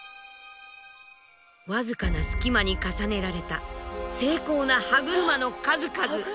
僅かな隙間に重ねられた精巧な歯車の数々。